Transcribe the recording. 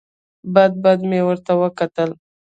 بد بد مې ورته وکتل.